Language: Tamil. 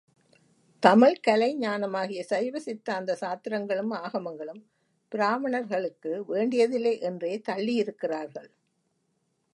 தமிழ்க் கலைஞானமாகிய சைவசித்தாந்த சாஸ்திரங்களும் ஆகமங்களும், பிராமணர்களுக்கு வேண்டியதில்லை என்றே தள்ளியிருக்கிறார்கள்.